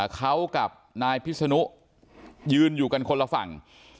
เขากับนายพิศนุยืนอยู่กันคนละฝั่ง